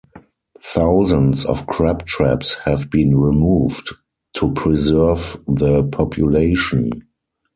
Thousands of crab traps have been removed to preserve the population.